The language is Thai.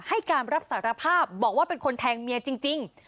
ให้การรับสารภาพบอกว่าเป็นคนแทงเมียจริง